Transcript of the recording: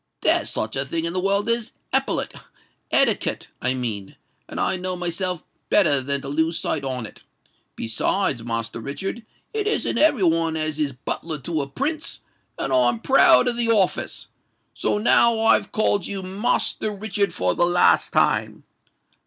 There's such a thing in the world as epaulette—etiquette, I mean; and I know myself better than to lose sight on it. Besides, Master Richard—it isn't every one as is butler to a Prince; and I'm proud of the office. So now I've called you Master Richard for the last time.